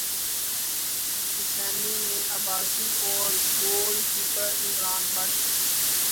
حسینی نے عباسی اور goalkeeper Imran but